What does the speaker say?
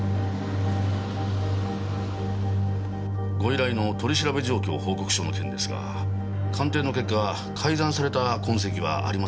ご依頼の「取調べ状況報告書」の件ですが鑑定の結果改ざんされた痕跡はありませんでした。